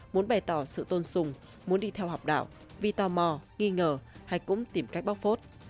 muốn bày tỏ sự tôn sùng muốn đi theo học đạo vì tò mò nghi ngờ hay cũng tìm cách bóc phốt